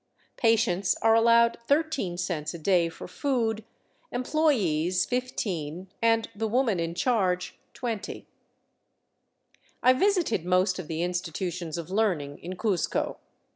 Patients are allowed 13 cents a day for food, employees, 15, and the woman in charge, 20. I visited most of the institutions of learning in Cuzco.